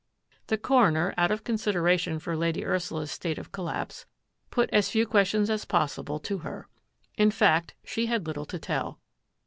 The coroner, out of consideration for Lady Ursula's state of collapse, put as few questions as possible to her. In fact, she had little to tell.